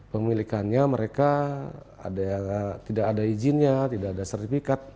pemilikannya mereka tidak ada izinnya tidak ada sertifikat